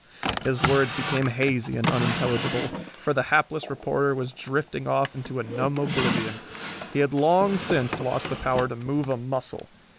His words became hazy and unintelligible, for the hapless reporter was drifting off into a numb oblivion. He had long since lost the power to move a muscle.